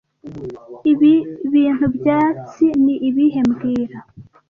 Ibi bintu byatsi ni ibihe mbwira